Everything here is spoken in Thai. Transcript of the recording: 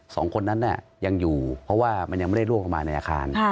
สองคนนั้นยังอยู่เพราะว่ามันยังไม่ได้ล่วงลงมาในอาคาร